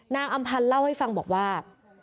อำพันธ์เล่าให้ฟังบอกว่า